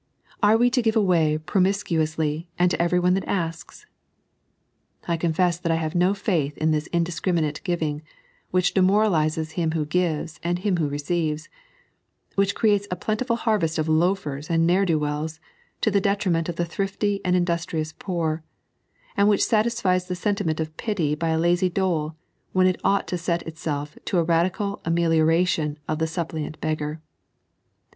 Are we to give a^y promiscuously and to everyone that asks ? I confess that I have no faith in this indiscriminate giving which demoralises him who gives and him who receives ; which creates a plentiful harvest of loaf et« and ne'er do wells, to the detriment of the thrifty and indus trious poor, and which satisfies the sentiment of pity by a lazy dole, when it ought to set itself to a radical ameliora tion of the suppliant beggar.